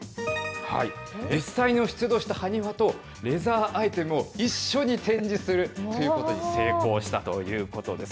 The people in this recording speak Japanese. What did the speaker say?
実際に出土した埴輪とレザーアイテムを一緒に展示するということに成功したということです。